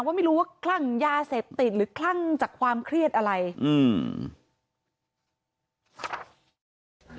ว่าไม่รู้ว่าคลั่งยาเสพติดหรือคลั่งจากความเครียดอะไรอืม